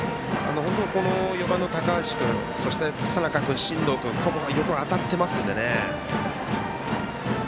４番の高橋君そして佐仲君進藤君、ここはよく当たっていますのでね。